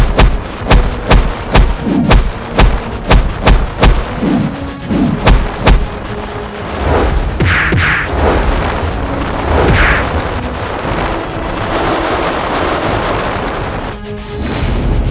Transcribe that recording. tidak bisa aku anggap remeh